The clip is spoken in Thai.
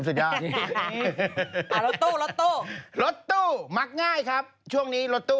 ฝากร้านฮะ